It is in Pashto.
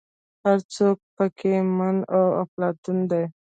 هر څوک په کې من او افلاطون دی.